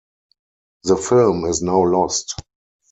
The film is now lost.